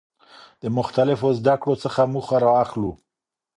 د مختلفو زده کړو څخه موخه را اخلو.